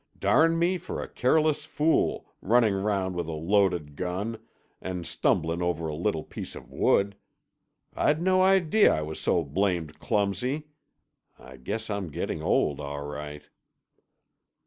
Darn me for a careless fool, runnin' round with a loaded gun and stumblin' over a little piece of wood. I'd no idee I was so blamed clumsy. I guess I'm gettin' old all right."